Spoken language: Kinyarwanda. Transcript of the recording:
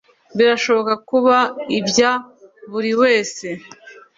Birashobora kuba ibya buri wese